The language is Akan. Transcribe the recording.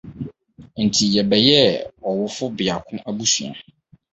Enti yɛbɛyɛɛ ɔwofo biako abusua.